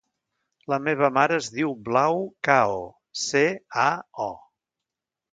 La meva mare es diu Blau Cao: ce, a, o.